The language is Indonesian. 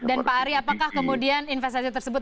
dan pak arie apakah kemudian investasi tersebut